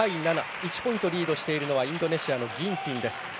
１ポイントリードしているのはインドネシアのギンティンです。